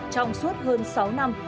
trong suốt hơn sáu năm